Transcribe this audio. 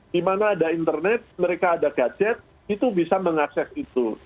di mana ada internet mereka ada gadget itu bisa mengakses itu